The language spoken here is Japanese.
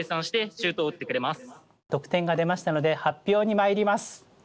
得点が出ましたので発表にまいります。